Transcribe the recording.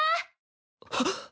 はっ！